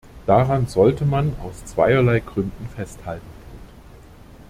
Daran sollte man aus zweierlei Gründen festhalten.